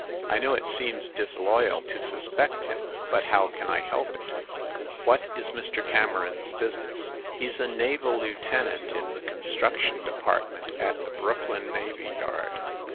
I know it seems disloyal to suspect him, but how can I help it?" "What is Mr. Cameron's business?" "He's a naval lieutenant, in the construction depart ment at the Brooklyn navy yard.